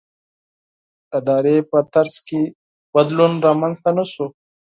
ادارې په طرز کې تغییر رامنځته نه شو.